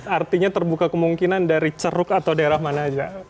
artinya terbuka kemungkinan dari ceruk atau daerah mana saja